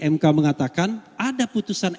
mk mengatakan ada putusan